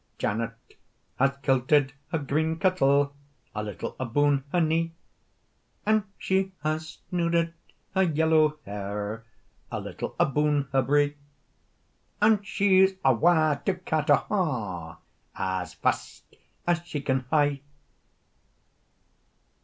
Janet has kilted her green kirtle A little aboon her knee, And she has snooded her yellow hair A little aboon her bree, And she's awa' to Carterhaugh, As fast as she can hie.